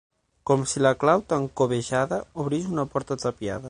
Com si la clau tan cobejada obrís una porta tapiada.